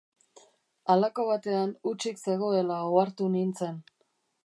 Halako batean hutsik zegoela ohartu nintzen.